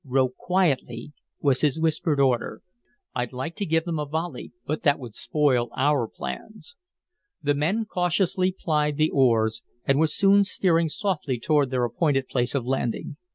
"Row quietly," was his whispered order. "I'd like to give them a volley, but that would spoil our plans." The men cautiously plied the oars and were soon steering softly toward their appointed place of landing.